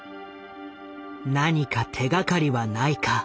何か手がかりはないか。